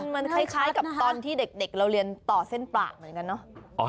มันคล้ายกับตอนที่เด็กเราเรียนต่อเส้นปลาเหมือนกันเนอะ